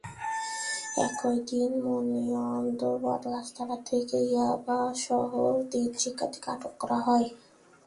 একই দিন মনিয়ন্দ বটগাছতলা থেকে ইয়াবাসহ তিন শিক্ষার্থীকে আটক করা হয়।